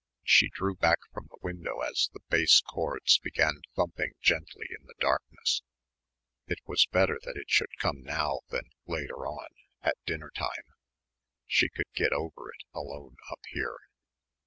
She drew back from the window as the bass chords began thumping gently in the darkness. It was better that it should come now than later on, at dinner time. She could get over it alone up here.